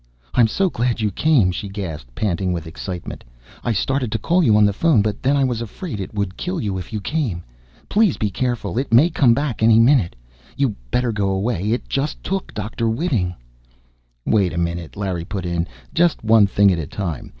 "I'm so glad you came!" she gasped, panting with excitement. "I started to call you on the phone, but then I was afraid it would kill you if you came! Please be careful! It may come back, any minute! You'd better go away! It just took Dr. Whiting!" "Wait a minute," Larry put in. "Just one thing at a time.